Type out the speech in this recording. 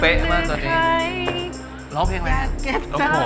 โอ้โห